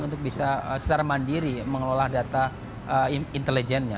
untuk bisa secara mandiri mengelola data intelijennya